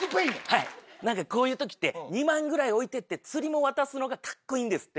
はい何かこういう時って２万ぐらい置いてって釣りも渡すのがカッコいいんですって。